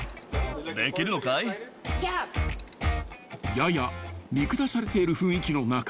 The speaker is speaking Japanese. ［やや見下されている雰囲気の中